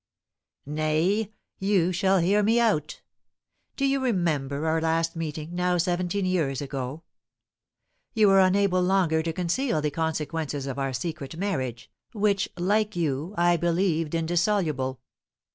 "Nay, you shall hear me out! Do you remember our last meeting, now seventeen years ago? You were unable longer to conceal the consequences of our secret marriage, which, like you, I believed indissoluble.